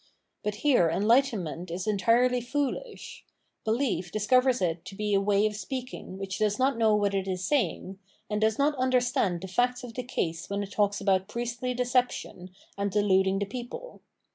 But here enhghtenment is entirely foohsh; behef discovers it to be a way of speaking which does not know what it is saying, and does not understand the facts of the case when it talks about priestly deception, and deluding the people.